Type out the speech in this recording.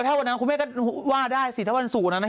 ถ้าวันนั้นคุณแม่ก็ว่าได้สิถ้าวันสู่นั้น